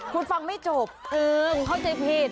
คุณฟังไม่จบอึงเข้าใจผิด